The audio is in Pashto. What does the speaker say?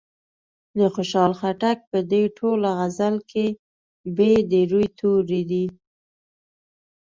د خوشال خټک په دې ټوله غزل کې ب د روي توری دی.